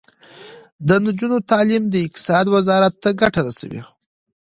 د نجونو تعلیم د اقتصاد وزارت ته ګټه رسوي.